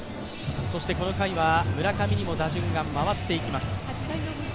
そしてこの回は村上にも打順が回っていきます。